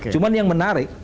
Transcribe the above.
cuma yang menarik